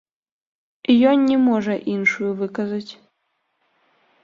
Ён не можа іншую выказаць.